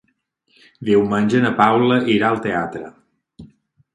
Diumenge na Paula irà al teatre.